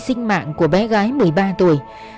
sinh mạng của bé gái một mươi ba tuổi